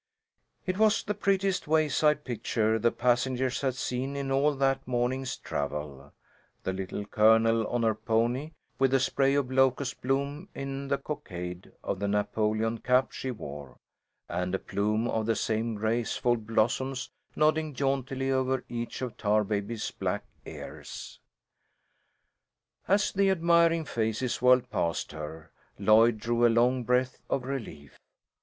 It was the prettiest wayside picture the passengers had seen in all that morning's travel the Little Colonel on her pony, with the spray of locust bloom in the cockade of the Napoleon cap she wore, and a plume of the same graceful blossoms nodding jauntily over each of Tarbaby's black ears. As the admiring faces whirled past her, Lloyd drew a long breath of relief.